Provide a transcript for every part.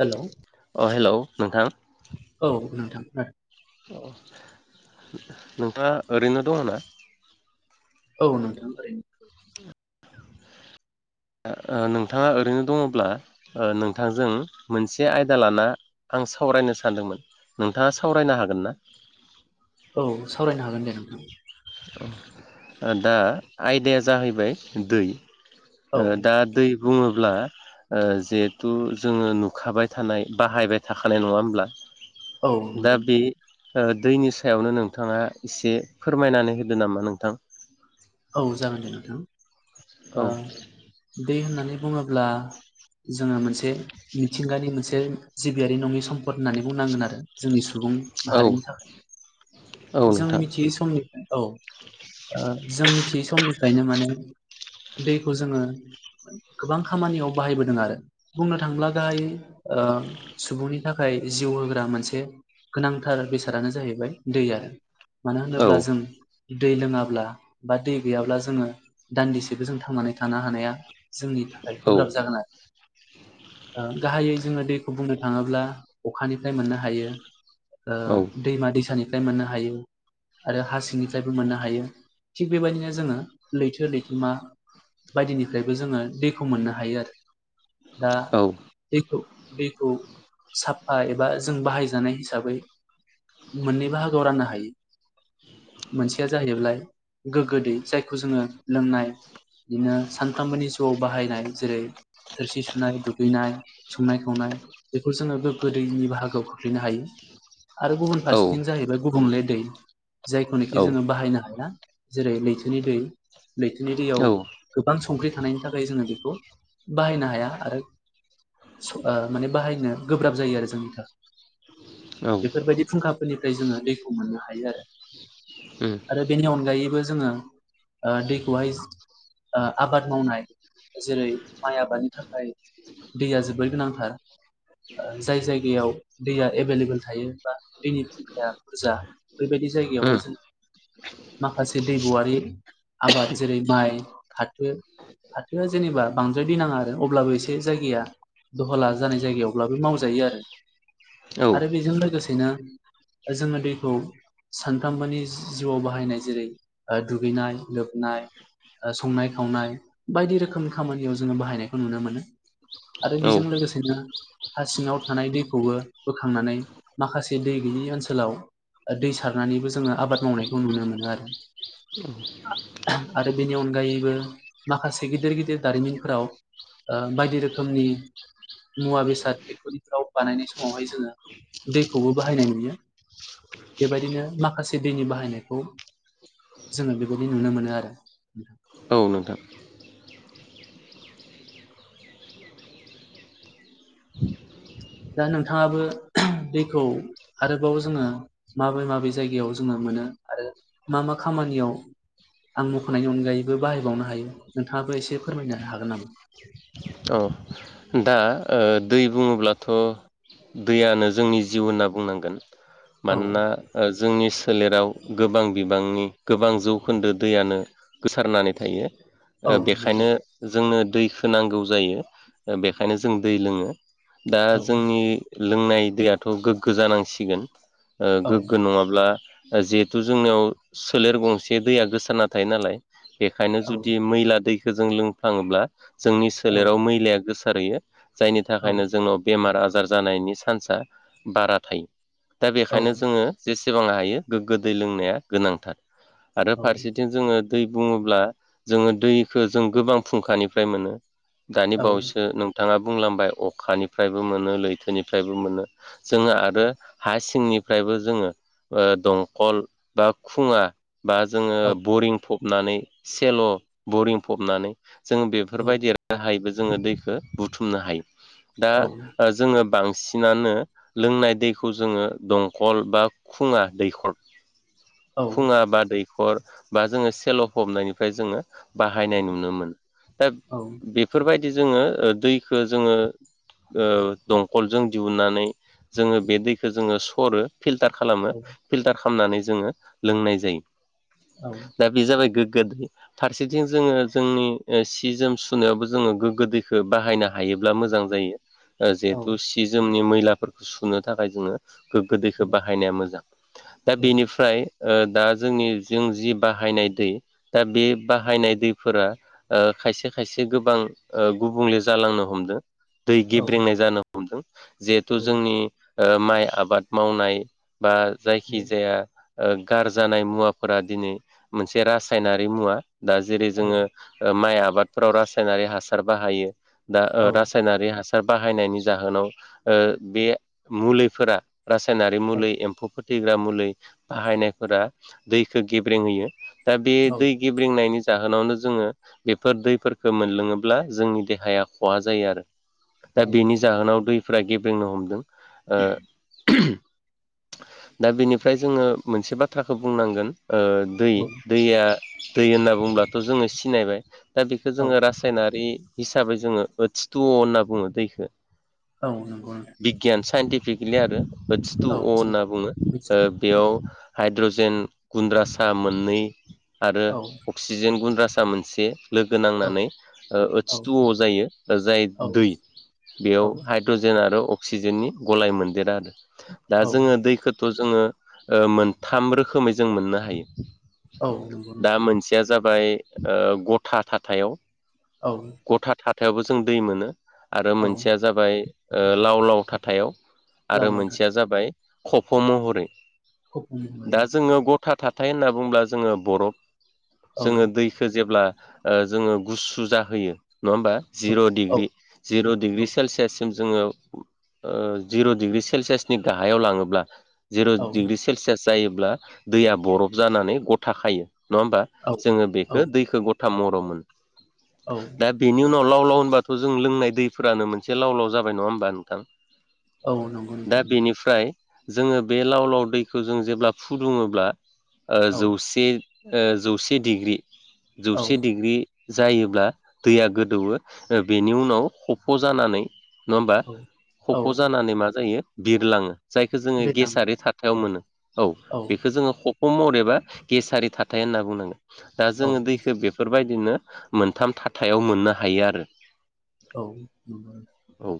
Hello अ hello नोंथां औ नोंथां ओ नोंथाङा ओरैनो दङ ना औ नोंथां ओरैनिफ्राय [inaudible] नोंथाङा ओरैनो दङब्ला नोंथांजों मोनसे आयदा लाना आं साव सावरायनो सानदोंमोन नोंथाङा सावरायनो हागोन ना औ सावरायनो हागोन दे नोंथां दा आयदाया जाहैबाय दै औ दा दै बुङो ब्ला जिहेथु जोङो नुखाबाय थानाय बाहायबाय थाखानाय नङा होमब्ला औ दा बे दैनि सायावनो नोंथाङा एसे फोरमायनानै होदो नामा नोंथां औ जागोन दे नोंथां औ दै होननानै बुङोब्ला जोङो मोनसे मिथिंगानि मोनसे जिबियारि नङि सम्पद होननानै बुंनांगोन आरो जोंनि सुबुं औ माहारिनि थाखाय औ जों नोंथां मिथियै समनिफ्राय औ जों मिथियै समनिफ्रायनो माने दैखौ जोङो गोबां खामानियाव बाहायबोदों आरो बुंनो थांब्ला गाहाय ओ सुबुंनि था- खाय जिउ होग्रा मोनसे गोनांथार बेसादानो जाहैबाय दै आनो मानो औ होनोब्ला जों दै लोङाब्ला बा दै गैयाब्ला जोङो दान्दिसेबो जों थांनानै थानो हानाया जोंनि थाखाय औ गोब्राब जागोन आरो ओ गाहायै जोङो दैखौ बुंनो थाङोब्ला अखानिफ्राय मोननो हायो औ ओ दैमा दैसानि निफ्राय मोननो हायो आरो हा सिंनिफ्रायबो मोननो हायो थिग बेबायदिनो जोङो लैथो लैथोमा बायदिनिफ्रायबो जोङो दैखौ मोननो हायो आरो दा दैखौ दैखौ साफा एबा जों बाहायजानाय हिसाबै मोननै बाहागोआव राननो हायो मोनसेया जाहैबाल्य गोगो दै जायखौ जोङो लोंनाय बिदिनो सानफ्रामबोनि जिउआव बाहायनाय जेरै थोरसि सुनाय दुगैनाय संनाय खावनाय बेखौ जोङो गोगो दैनि बाहागोआव खोख्लैनो हायो आरो गुबुन औ फारसेथिं जाहैबाय गुबुंले दै जायखौनोखि औ जोङो बाहायनो हाया जेरै लैथोनि दै लैथोनि दैयाव औ गोबां संख्रि थानायनि थाखाय जोङो बेखौ बाहायनो हाया आरो ओ माने बाहायनो गोब्राब जायो आरो जोंनिथा औ बेफोरबायदि फुंखाफोरनिफ्राय जोङो दैखौ मोननो हायो आरो उम आरो बेनि अनगायैबो जोङो ओ दैखौहाय ओ आबाद मावनाय जेरै माइ आबादनि थाखाय दैया जोबोर गोनांथार जाय जायगायाव दैया एभेलेबेल थायो बा दैनि फुंखाया बुरजा बेबायदि बे जायगायावायावहाय उम जों मा- खासे दैगआरि आबाद जेरै माइ फाथो फाथोआ जेनेबा बांदराय दै नाङा आरो अब्लाबो एसे जायगाया दहला जानाय जायगायावब्लाबो मावजायो आरो औ आरो बेजों लोगोसेनो जोङो दैखौ सानफ्रोमबोनि जिउआव बाहायनाय जेरै ओ दुगैनाय लोबनाय ओ संनाय खावनाय बायदि रोखोमनि खामानियाव जोङो बाहायनायखौ नुनो मोनो आरो औ बेजों लोगोसेनो हा सिङाव थानाय दैखौबो बोखांनानै माखासे दै गैयि ओनसोलाव ओ दै सारनानैबो जोङो आबाद मावनायखौ नुनो मोनो आरो [inaudible] आरो बेनि अनगायैबो माखासे गिदिर गिदिर दारिमिनफोराव ओ बायदि रोखोमनि मुवा बेसाद फेक्टरिफ्राव बानायनाय समावहाय जोङो दैखौबो बाहायनाय नुयो बेबायदिनो माखासे दैनि बाहायनायखौ जोङो बेबायदि नुनो मोनो आरो औ नोंथां दा नोंथाङाबो दैखौ आरोबाव जोङो माबे माबे जायगायाव जोङो मोनो आरो मा मा खामानियाव आं मख'नायनि अनगायैबो बाहायबावनो हायो नोंथाङाबो एसे फोरमायनो हागोन नामा औ दा ओ दै बुङोब्लाथ' दैयानो जोंनि जिउ होनना बुंनांगोन औ मानोना ओ जोंनि सो- लेराव गोबां बिबांनि गोबां जौखोन्दो दैयानो गोसारनानै थायो औ ओ नंगौ बेखायनो जोंनो दैखौ नांगौ जायो ओ बेखायनो जों दै लोङो दा औ जोंनि लोंनाय दैयाथ' गोग्गो जानांसिगोन ओ औ गोग्गो नङाब्ला जिहेथु जोंनियाव सोलेर गंसे दैया गोसानाना थायो नालाय बेखायनो औ जुदि मैला दैखौ जों लोंफ्लाङोब्ला जोंनि औ सोलेराव मैलाया गोसारहैयो जायनि औ थाखायनो जोंनाव बेमार आजार जानायनि चान्सा बारा थायो। दा औ बेखायनो जोङो जेसेबां हायो गोग्गो दै लोंनाया गोनांथार आरो फारसेथिं जोङो दै बुङोब्ला जोङो दैखौ जों गोबां फुंखानिफ्राय मोनो दानि औ बावैसो नोंथाङा बुंलांबाय अखानिफ्रायबो मोनो लैथोनिफ्रायबो मोनो। जोङो आरो हा सिंनिफ्रायबो जोङो दंखल बा खुङा बा जोङो बरिं फबनानै सेल' बरिं फबनानै जोङो औ बेफोरबायदि राहायैबो जोङो दैखौो बुथुमनो हायो। दा जोङो बांसिन बांसिनानो लोंनाय दैखौ जोङो दंखल बा खुङा दैखर खुङा बा दै खर बा जोङो सेल' फबनायनिफ्राय जोङो बाहायनाय नुनो मोनो। दा औ बेफोरबायदि जोङो दैखौ जोङो ओ दंखलजों दिहुननानै जोङो बे दैखौ जोङो सरो। फिल्टार खालामो फिल्टार खालामनानै जोङो लोंनाय जायो औ दा बे जाबाय गो ग्गो फारसेथिं जोङो जोंनि सि जोम सुनायावबो जोङो गोग्गो दै खौ बाहायनो हायोब्ला मोजां जेहेथु औ सि जोमनि मै लाफोरखौ सुनो थाखाय जोङो गोग्गो दैखौ बाहायनाया मोजां दा बेनिफ्राय ओ दा जोंनि जों जि बाहायनाय दै दा बे बाहायनाय दैफोरा ओ खायसे खायसे गोबां गुबुंले जालांनो हमदों। दै गेब्रेंनाय जानो हमदों जिहेथु जोंनि ओ माइ आबाद मावनाय बा जायखि औ जाया गारजानाय मुवाफोरा दिनै मोनसे रासायनारि मुवा। दा जेरै जोङो औ माइ आबादफोराव रासायनारि हासार बाहायो। दा रासायनारि हासार बाहायनायनि जाहोनाव ओ बे मुलिफोरा रासायनारि मुलि एम्फौफोर थैग्रा मुलि बाहायनायफोरा दैखौ गेब्रें होयो। दा बे दै गेब्रिंनायनि जाहोनावनो जोङो बेफोर दैफोरखौ मोनलोङो ब्ला जोंनि देहाया खहा जायो आरो दा बेनि औ जाहोनाव दैफोरा गेब्रेंनो हमदों। ओ दा बेनिफ्राय जोङो मोनसे बाथ्राखौ बुंनांगोन। ओ दै औ दैया दै होनना बुङोब्लाथ' जोङो सिनायबाय दा बेखौ औ जोङो रा सायनारि हिसाबै जोङो ओस थ' होनना बुङो दैखौ औ नंगौ नोंथां बिगियान साइन्टिफिकेलि आरोस टु अ होनना बुङो मिथियो। बेयाव हाइद्रजेन गुन्द्रासा मोननै आरो औ अक्सिजेन गुन्द्रा सा मोनसे लोगो औ नांनानै ओस औ थु अ' जायो दा जाय औ दै बेयाव हाइद्रजेन आरो अक्सिजेननि गलाय मोनदेरा आरो दा औ जोङो दैखौ थ' ओ जोङो मोनथाम रोखोमै जों मोननो हायो। दा मोनसेया जाबाय ओ गथा थाथायाव औ गथा थाथायावबो जों दै मोनो आरो नंगौ नोंथां औ मोनसेया जाबाय ओ लाव लाव थाथायाव आरो लावनाव था मोनसेया जाबाय खफ' महरै खफ महरै दा औ जोङो गथा थाथाय होनना बुङोब्ला जोङो बरफ औ जोङो दैखौ जेब्ला ओ जोङो गुसु जाहोयो नङा होमबा औ जिर' औ डिग्रि जिर' डिग्रि सेलसियाससिम जोङो ओ जिर' डिग्रि सेलसियासनि गाहायाव लाङोब्ला जिर' औ डिग्रि सेलसियास जायोब्ला दैया बरफ जानानै गथ खायो नङा होमबा औ जोङो औ बेखौ दैखौ ग था महराव मोनो औ दा बेनि उनाव लाव लाव होनबाथ' जों लोंनाय दैफोरानो मोनसे लाव लाव जाबाय नङा होमबा नोंथां औ नंगौ दा नोंथां बेनिफ्राय जोङो बे लाव लाव दैखौ जों जेब्ला फुदुङोब्ला औ जौसे जौसे डिग्रि औ जौसे डिग्रि। जायोब्ला दैया गोदौवो बेनि उनाव खफ' जानानै नङा होमबा औ औ खफ' जानानै मा जायो बिरलाङो जायखौ जोङो दैज्लां गेसारि थाथायाव मोनो। औ बेखौ जोङो खफ महरै एबा गेसारि थाथाय होनना बुंनांगोन। दा औ जोङो दैखौ बेफोर बायदिनो मोनथाम थाथायाव मोननो हायो आरो। औ नंगौ नोंथां। औ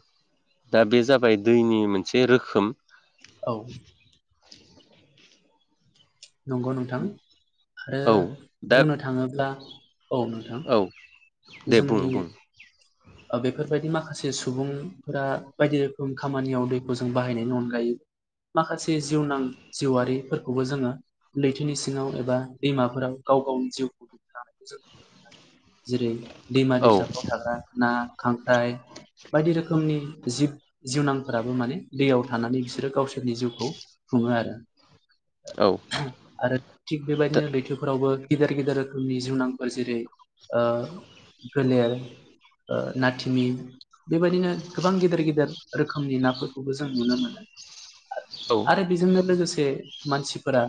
दा बे जाबाय दैनि मोनसे रोखोम । औ। नंगौ नोंथां ओ औ दा बुंनो थाङोब्ला औ नोंथां औ दे बुं जोंनि बुं बेफोर बायदि माखासे सुबुंफोरा बायदि रोखोम खामानियाव दैखौ जों बाहायनायनि अनगायै माखासे जिउनां जिउआरारिफोरखौबो जोङो लैथोनि सिङाव एबा दैमाफोराव गाव गाव गावनि जिउखौ दिन्थिलांनायखौ जों नुनो मोनो जेरै दैमा औ दैसाफ्राव थाग्रा ना, खांख्राइ। बायदि रोखोमनि जिब जिउनांफोराबो माने दैयाव थानानै बिसोरो गावसो सोरनि जिउखौ खुङो आरो। औ आरो थिग बेबायदिनो लैथोफोरावबो गेदेर गेदेर रोखोमनि जिउनांफोर जेरै ओ गोलेर ओ ना थिमि। बेबायदिनो गोबां गेदेर गेदेर रोखोमनि नाफोरखौबो जों नुनो मोनो। औ आरो बेजोंनो लोगोसे मानसिफोरा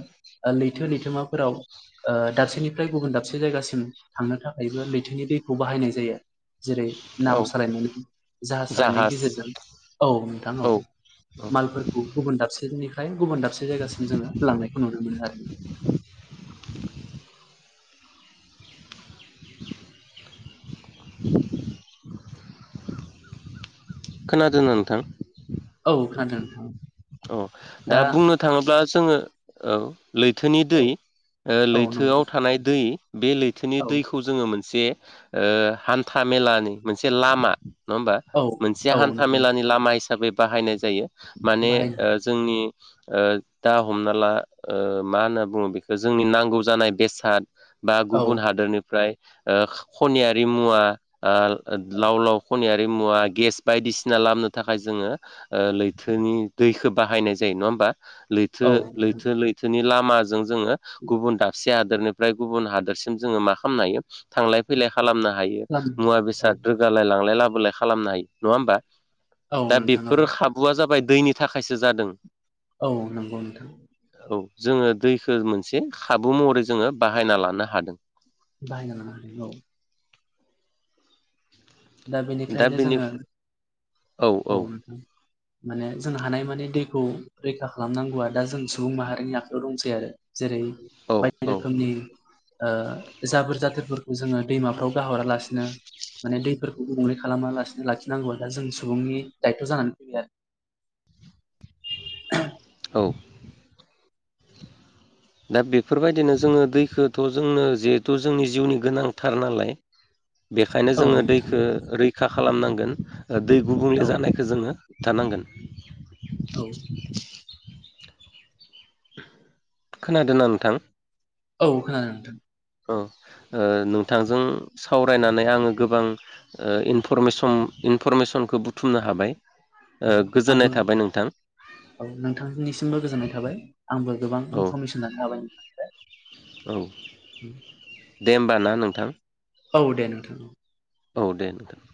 लैथो लैथोमाफोराव ओ दाबसेनिफ्राय गुबुन दाबसे जायगासिम थांनो थाखायबो लैथोनि दैखौ बाहायनाय जायो। जेरै औ नाव सालायनानै जाहास सालायनायनि जाहाज गेजेरजों औ नोंथां औ। मालफोरखौ गुबुन दाबसेनि गुबुन दाबसे जायगासिम जोङो लांनायखौ नुनो मोनो आरो। [inaudible] खोनादोंना नोंथां? औ खोनादों नोंथां। औ दा बुंनो थाङोब्ला जोङो औ। लैथोनि दै औ औ लैथोआव नंगौ थानाय दै बे लैथोनि औ दैखौ जोङो मोनसे ओ हान्था मेलानि मोनसे लामा नङा होमबा औ मोनसे औ हान्था नंगौ मेलानि लामा हिसाबै बाहायनाय जायो माने बाहायनो उम ओ दा हमना ला ओ मा होनना बुङो बेखौ जोंनि नांगौ जानाय बेसाद। बा औ गुबुन हादोरनिफ्राय ओ खनियारि मुवा ओ लाव लाव खनियारि मुवा गेस बायदिसिना खालामनो थाखाय जोङो ओ लैथोनि दैखौ बाहायनाय जायो नङा होमबा लैथो औ नोंथां लैथो लैथोनि लाम माजों जोङो गुबुन दाबसे हादोरनिफ्राय गुबुन हादोरसिम जोङो मा खालामनो हायो थांलाय फैलाय खालामनो हायो खालाम मुवा औ बेसाद रोगालाय लांलाय लाबोलाय खालामनो हायो नङा होमबा? औ दा नोंथां औ बेफोर खाबुआ जाबाय दैनि थाखायसो जादों। औ नंगौ नोंथां। औ जोङो दैखो मोनसे खाबु महरै जोङो बाहायना लानो हादों। बाहायना लानो हादों औ। दा बेनिखायनो जोङो औ नोंथां । माने जों हानाय मानि दैखौ रैखा खालामनांगौआ दा जों सुबुं माहारिनि आखाइयाव दंसै आरो। जेरै औ बायदि औ रोखोमनि ओ जाबोर जाथोरफोरखौ जोङो दैमाफ्राव गाहरालासिनो माने दैफोर गुबुंले खालामा लासिनो लाखिनांगौआ दा जों सुबुंनि दायथ' जानानै फैबाय आरो। [inaudible] औ। दा बेफोरबायदिनो जोङो दैखौथ' जोंनो जिहेथु जोंनि जिउनि गोनांथार नालाय। बेखायनो आरो जोङो औ नोंथां दैखो रैखा खालामनांगोन दै गुबुंले औ जानायखौ जोङो होबथानांगोन। औ खोनादोंना नोंथां? औ खोनादों नोंथां। औ ओ नोंथांजों सावरायनानै आङो गोबां ओ इन्फर्मेशन इन्फर्मेशनखौ बुथुमनो हाबाय। ओ औ आंबो गोजोननाय थाबाय नोंथां। औ नोंथांनिसिमबो गोजोननाय थाबाय आंबो गोबां औ इन्फर्मेशन लानो हाबाय नोंथां। औ दे होमबा ना नोंथां। औ दे नोंथां औ। औ दे नोंथां।